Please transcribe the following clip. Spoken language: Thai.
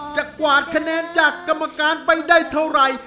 กวาดคะแนนจากกรรมการไปได้เท่าไหร่